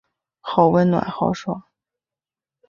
好温暖好爽